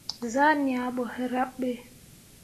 Zah ŋiah ɓo hǝraɓ ɓe.